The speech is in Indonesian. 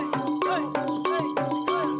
pengen tuh kita milih